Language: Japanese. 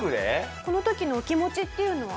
この時のお気持ちっていうのは？